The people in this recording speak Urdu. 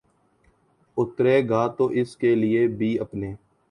اترے گا تو اس کے لیے بھی اپنے